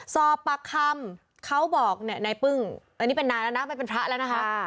สอบปากคำเขาบอกเนี่ยนายปึ้งอันนี้เป็นนานแล้วนะไม่เป็นพระแล้วนะคะ